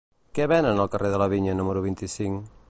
Què venen al carrer de la Vinya número vint-i-cinc?